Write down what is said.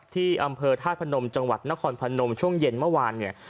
ที่อำเภอธาตุพนมจังหวัดนครพนมช่วงเย็นเมื่อวานเนี่ย